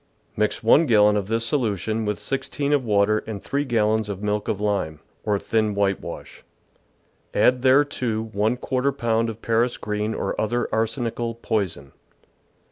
Mix 1 gallon of this solu tion with 16 of water and three gallons of milk of lime, or thin whitewash; add thereto 14 pound of Paris green or other arsenical poison.